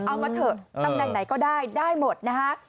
เอามาเถอะตำแหน่งไหนก็ได้ได้หมดนะฮะ